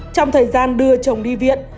trong thời gian đưa chồng đi viện